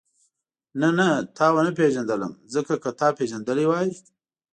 نه نه تا ونه پېژندلم ځکه که تا پېژندلې وای.